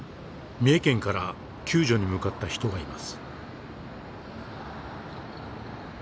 三重県から救助に向かった人がいます。